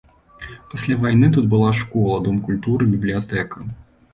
Пасля вайны тут была школа, дом культуры, бібліятэка.